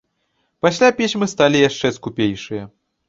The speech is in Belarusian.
Пасля пісьмы сталі яшчэ скупейшыя.